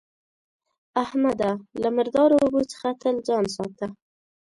احمده! له مردارو اوبو څخه تل ځان ساته.